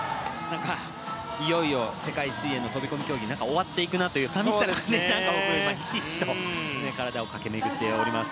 いよいよ世界水泳の飛込競技が終わっていくなというさみしさが僕ひしひしと体を駆け巡っております。